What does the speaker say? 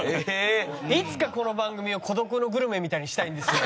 いつかこの番組を『孤独のグルメ』みたいにしたいんですよ。